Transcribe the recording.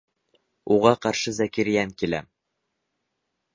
Уға ҡаршы Зәкирйән килә.